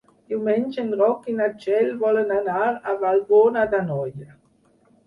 Diumenge en Roc i na Txell volen anar a Vallbona d'Anoia.